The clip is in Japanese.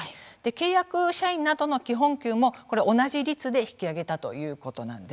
契約社員などの基本給も同じ率で引き上げたということなんです。